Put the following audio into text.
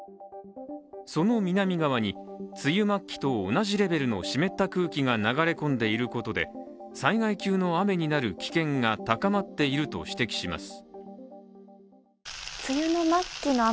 その南側に、梅雨末期と同じレベルの湿った空気が流れ込んでいることで、災害急の雨になる危険が高まっていると指摘します。